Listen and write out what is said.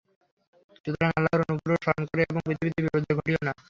সুতরাং আল্লাহর অনুগ্রহ স্মরণ কর এবং পৃথিবীতে বিপর্যয় ঘটিয়ো না।